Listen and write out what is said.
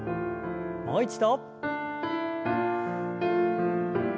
もう一度。